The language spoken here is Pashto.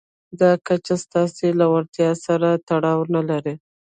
دا کچه ستاسې له وړتیاوو سره تړاو نه لري.